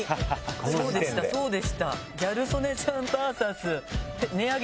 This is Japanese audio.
そうでしたそうでした。